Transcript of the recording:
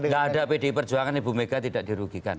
enggak ada pd perjuangan ibu mega tidak dirugikan